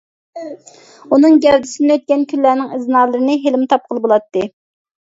ئۇنىڭ گەۋدىسىدىن ئۆتكەن كۈنلەرنىڭ ئىزنالىرىنى ھېلىمۇ تاپقىلى بولاتتى.